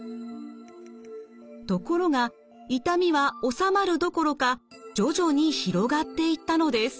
ところが痛みは治まるどころか徐々に広がっていったのです。